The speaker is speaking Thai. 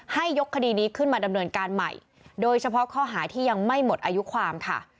ให้ยกคดีนี้ขึ้นมาดำเนินการใหม่โดยเฉพาะข้อหาที่ยังไม่หมดอายุความค่ะ